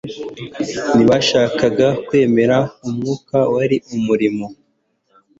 ntibashakaga kwemera umwuka wari umurimo;